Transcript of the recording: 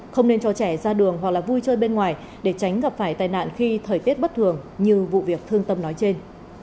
không nên cho trẻ ra đường hoặc là vui chơi bên ngoài để tránh gặp phải tài nạn khi thời tiết bất thường như vụ việc thương tâm nói trên